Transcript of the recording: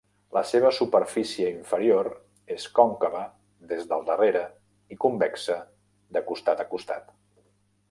La seva superfície inferior és còncava des del darrere i convexa de costat a costat.